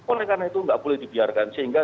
oleh karena itu tidak boleh dibiarkan sehingga